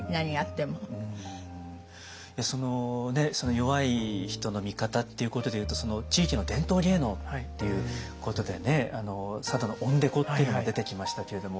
弱い人の味方っていうことでいうと地域の伝統芸能っていうことでね佐渡の鬼太鼓っていうのも出てきましたけれども。